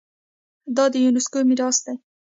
دا د یونیسکو میراث دی.